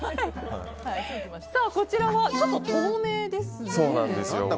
こちらはちょっと透明ですね。